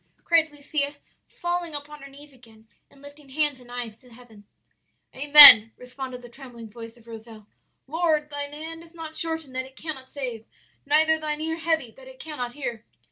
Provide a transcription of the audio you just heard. cried Lucia, falling upon her knees again, and lifting hands and eyes to heaven. "'Amen!' responded the trembling voice of Rozel. 'Lord, Thine hand is not shortened that it cannot save, neither Thine ear heavy that it cannot hear!'